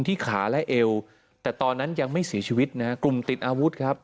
ที่ขาและเอวแต่ตอนนั้นยังไม่เสียชีวิตนะฮะกลุ่มติดอาวุธครับ